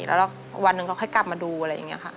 แล้ววันหนึ่งเราค่อยกลับมาดูอะไรอย่างนี้ค่ะ